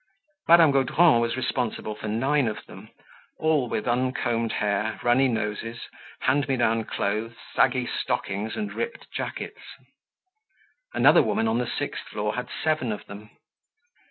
Madame Gaudron was responsible for nine of them, all with uncombed hair, runny noses, hand me down clothes, saggy stockings and ripped jackets. Another woman on the sixth floor had seven of them.